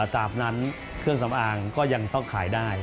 ตามนั้นเครื่องสำอางก็ยังต้องขายได้